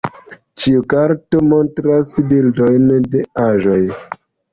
Ĉiu karto montras bildojn de aĵoj.